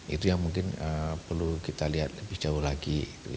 itu yang mungkin perlu kita lihat lebih jauh lagi